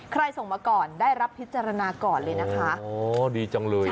ส่งมาก่อนได้รับพิจารณาก่อนเลยนะคะอ๋อดีจังเลย